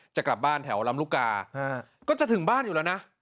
จะกลับบ้านแถวลำลูกกาก็จะถึงบ้านอยู่แล้วนะ